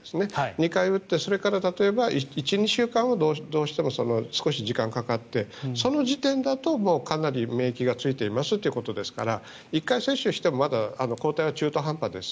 ２回打ってそれから１２週間はどうしても少し時間がかかってその時点だと、かなり免疫がついていますということですから１回接種してもまだ抗体は中途半端です。